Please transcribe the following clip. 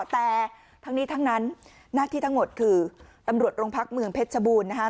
แต่ทั้งนี้ทั้งนั้นหน้าที่ทั้งหมดคือตำรวจโรงพักเมืองเพชรชบูรณ์นะคะ